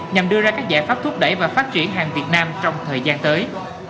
nhằm đưa ra các giải pháp thúc đẩy và phát triển hàng việt nam trong thời gian tới